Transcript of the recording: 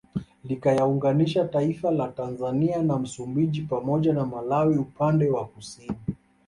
Likiyaunganisha taifa la Tanzania na Msumbiji pamoja na Malawi upande wa Kusini